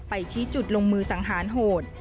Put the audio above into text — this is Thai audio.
ชี้จุดลงมือสังหารโหด